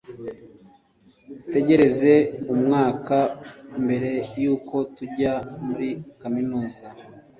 dutegereza umwaka mbere y’uko tujya muri Kaminuza